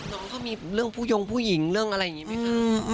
น้องเขามีเรื่องผู้ยงผู้หญิงเรื่องอะไรอย่างนี้ไหมคะ